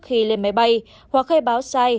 khi lên máy bay hoặc khai báo sai